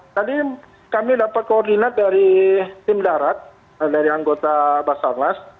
tadi kami dapat koordinat dari tim darat dari anggota basarnas